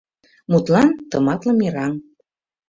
Мутлан, тыматле «мераҥ».